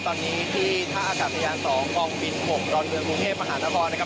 ตอนนี้ที่ท่าอากาศยาน๒กองบิน๖ดอนเมืองกรุงเทพมหานครนะครับ